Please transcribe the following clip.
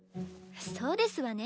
そうですわね。